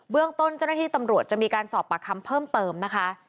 เรื่องต้นเจ้าหน้าที่ตำรวจจะมีการสอบปากคำเพิ่มเติมนะคะ